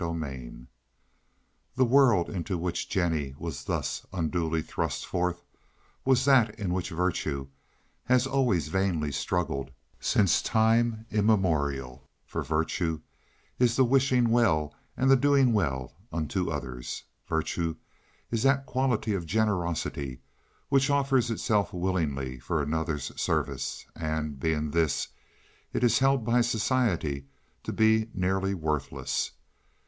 CHAPTER X The world into which Jennie was thus unduly thrust forth was that in which virtue has always vainly struggled since time immemorial; for virtue is the wishing well and the doing well unto others. Virtue is that quality of generosity which offers itself willingly for another's service, and, being this, it is held by society to be nearly worthless.